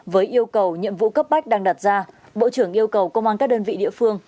với yêu cầu nhiệm vụ cấp bách đang đặt ra bộ trưởng yêu cầu công an các đơn vị địa phương